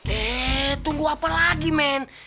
eh tunggu apa lagi men